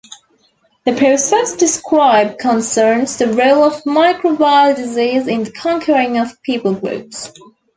The process described concerns the role of microbial disease in the conquering of people-groups.